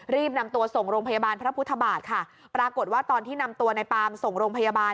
รีบนำตัวส่งโรงพยาบาลพระพุทธบาทค่ะปรากฏว่าตอนที่นำตัวในปามส่งโรงพยาบาล